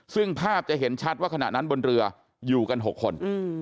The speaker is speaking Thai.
ซึ่งภาพจะเห็นชัดว่าขณะนั้นบนเรืออยู่กัน๖คน